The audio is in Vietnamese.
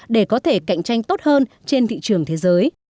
để có thể cạnh tranh tốt hơn trên thị trường thế giới